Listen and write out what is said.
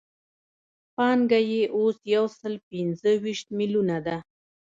پانګه یې اوس یو سل پنځه ویشت میلیونه ده